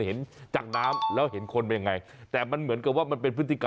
ทำหน้าตานหลังสารเหมือนหิวมาก